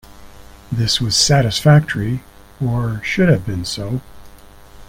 This was satisfactory — or should have been so.